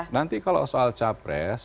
nanti kalau soal capres